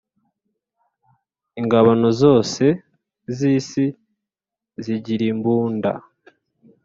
ingabano zose z isi zigirimbunda.